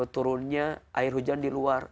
turunnya air hujan di luar